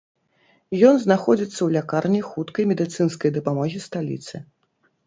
Ён знаходзіцца ў лякарні хуткай медыцынскай дапамогі сталіцы.